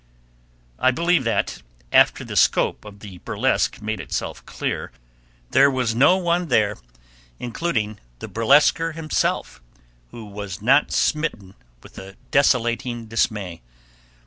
I believe that after the scope of the burlesque made itself clear, there was no one there, including the burlesquer himself, who was not smitten with a desolating dismay.